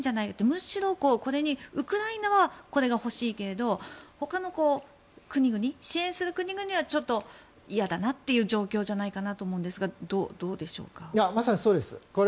むしろ、ウクライナはこれが欲しいけれどほかの国々支援する国々はちょっと嫌だなという状況じゃないかなと思うんですがまさにそうです。